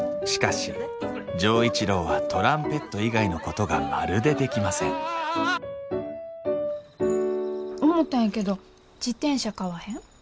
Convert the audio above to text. しかし錠一郎はトランペット以外のことがまるでできません思たんやけど自転車買わへん？